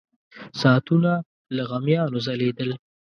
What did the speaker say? ساعتونه له غمیانو ځلېدل.